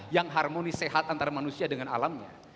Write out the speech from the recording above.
yang harmonis sehat antara manusia dengan alamnya